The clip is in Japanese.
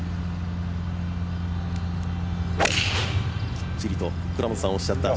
きっちりと、倉本さんがおっしゃった